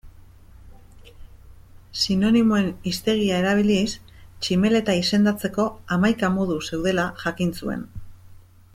Sinonimoen hiztegia erabiliz tximeleta izendatzeko hamaika modu zeudela jakin zuen.